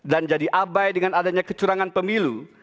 dan jadi abai dengan adanya kecurangan pemilu